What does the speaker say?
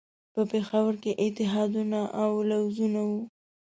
په پېښور کې اتحادونه او لوزونه وو.